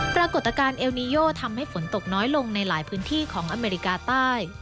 ปรากฏการณ์เอลนิโยทำให้ฝนตกน้อยลงในหลายพื้นที่ของอเมริกาใต้